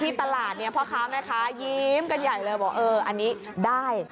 ที่ตลาดเนี่ยเพราะเขาไงคะยิ้มกันใหญ่เลยบอกเอออันนี้